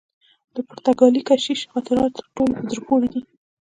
د پرتګالي کشیش خاطرات تر ټولو په زړه پوري دي.